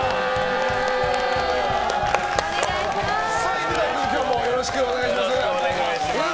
犬飼君、今日もよろしくお願いします。